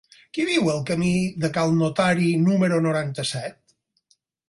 Qui viu al camí de Cal Notari número noranta-set?